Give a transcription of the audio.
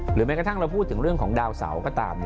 แม้กระทั่งเราพูดถึงเรื่องของดาวเสาร์ก็ตาม